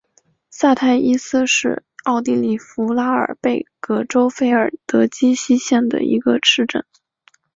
萨泰因斯是奥地利福拉尔贝格州费尔德基希县的一个市镇。